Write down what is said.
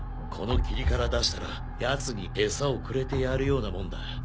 この霧から出したらやつに餌をくれてやるようなもんだ。